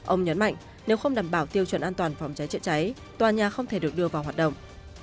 ông nhấn mạnh nếu không đảm bảo tiêu chuẩn an toàn phòng cháy chữa cháy tòa nhà không thể được đưa vào hoạt động